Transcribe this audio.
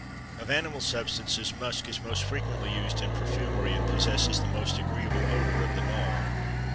Of animal substances, musk is most frequently used in perfumery, and possesses the most agreeable odor of them all.